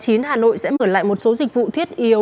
hà nội sẽ mở lại một số dịch vụ thiết yếu